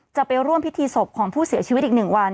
จะไปร่วมพิธีศพของผู้เสียชีวิตอีก๑วัน